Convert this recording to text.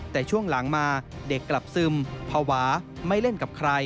แต่ช่วงหลังมาเด็กกลับซึมภาวะไม่เล่นกับใคร